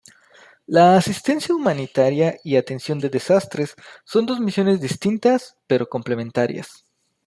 La asistencia Humanitaria y Atención de Desastres son dos misiones distintas pero complementarias.